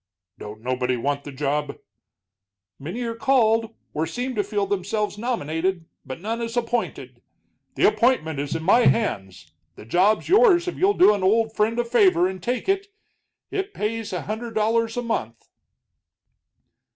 "Don't nobody want the job?" "Many are called, or seem to feel themselves nominated, but none is appointed. The appointment is in my hands; the job's yours if you'll do an old friend a favor and take it. It pays a hundred dollars a month."